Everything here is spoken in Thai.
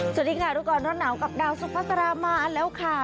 สวัสดีค่ะทุกคนรอดหนาวกับดาวสภาษณรามะแล้วค่ะ